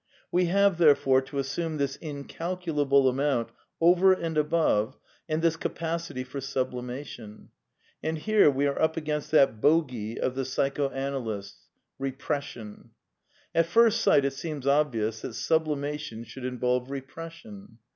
We have, therefore, to assume this incalculable amount over and above, and this capacity for sublimation. And here we are up against that bogy of the psychoanalysts' — Bepres sion. At first sight it seems obvious that sublimation should involve repression.